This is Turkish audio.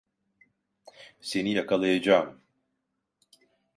Seni yakalayacağım!